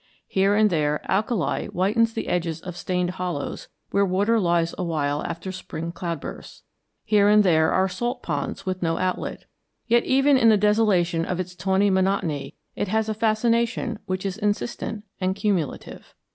Here and there alkali whitens the edges of stained hollows where water lies awhile after spring cloudbursts. Here and there are salt ponds with no outlet. Yet even in the desolation of its tawny monotony it has a fascination which is insistent and cumulative.